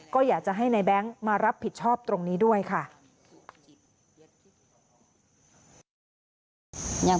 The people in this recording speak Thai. ก็อยากจะให้ในแบงค์มารับผิดชอบตรงนี้ด้วยค่ะ